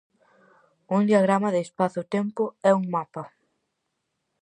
Un diagrama de espazo-tempo é un mapa.